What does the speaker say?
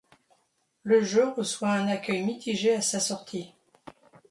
Le jeu reçoit un accueil mitigé à sa sortie.